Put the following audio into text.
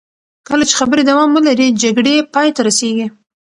کله چې خبرې دوام ولري، جګړې پای ته رسېږي.